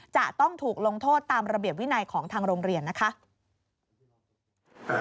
จะต้องถูกลงโทษตามระเบียบวินัยของทางโรงเรียนนะคะ